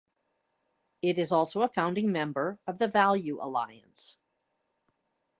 It is also a founding member of the Value Alliance.